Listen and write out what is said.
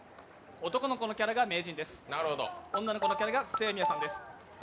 男の子のキャラが名人、女の子のキャラが清宮さんです。